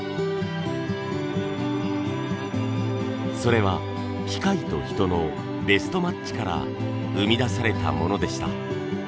それは機械と人のベストマッチから生み出されたものでした。